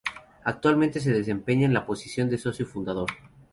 Actualmente se desempeña en la posición de socio fundador.